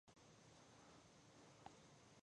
موټر پارک ته نژدې ودرید.